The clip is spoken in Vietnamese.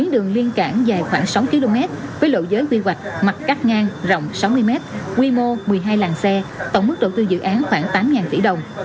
chín đường liên cảng dài khoảng sáu km với lộ giới quy hoạch mặt cắt ngang rộng sáu mươi m quy mô một mươi hai làng xe tổng mức đầu tư dự án khoảng tám tỷ đồng